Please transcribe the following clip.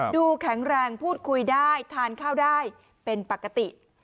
ดูแข็งแรงพูดคุยได้ทานข้าวได้เป็นปกติ